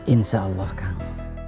insya allah kang